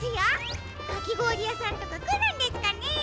かきごおりやさんとかくるんですかね？